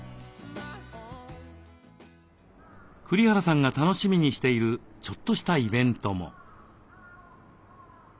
栗原さんが楽しみにしているちょっとしたイベントも。